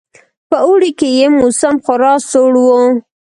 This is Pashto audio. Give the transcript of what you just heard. په اوړي کې یې موسم خورا سوړ وو.